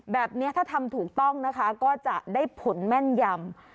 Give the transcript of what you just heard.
แบบนี้ถ้าทำถูกต้องนะคะก็จะได้ผลแม่นยำ